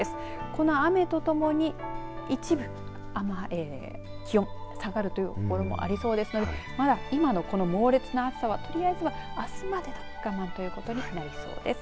この雨とともに一部気温、下がるという所もありそうですのでまだ今のこの猛烈な暑さはとりあえずはあすまで我慢ということになりそうです。